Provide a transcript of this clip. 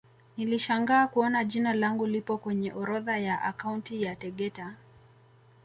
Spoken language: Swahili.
Nilishangaa kuona jina langu lipo kwenye orodha ya akaunti ya Tegeta